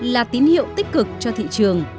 là tín hiệu tích cực cho thị trường